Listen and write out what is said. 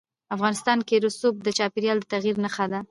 افغانستان کې رسوب د چاپېریال د تغیر نښه ده.